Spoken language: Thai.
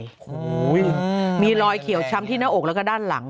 โอ้โหมีรอยเขียวช้ำที่หน้าอกแล้วก็ด้านหลัง